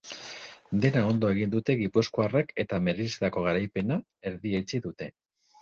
Dena ondo egin dute gipuzkoarrek eta merezitako garaipena erdietsi dute.